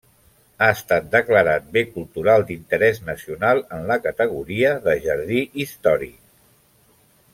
Ha estat declarat Bé Cultural d'Interès Nacional, en la categoria de Jardí Històric.